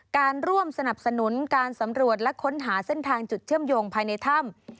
การร่วมสนับสนุนการสำรวจและค้นหาเส้นทางจุดเชื่อมโยงภายในถ้ำ